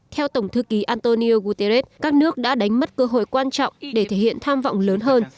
theo tổng thư ký antonio guterres các nước đã đánh mất cơ hội quan trọng để thể hiện tham vọng lớn hơn